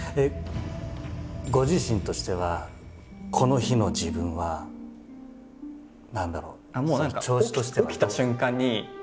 ご自身としてはこの日の自分は何だろう調子としては？